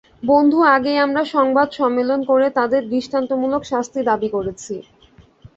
বহু আগেই আমরা সংবাদ সম্মেলন করে তাঁদের দৃষ্টান্তমূলক শাস্তির দাবি করেছি।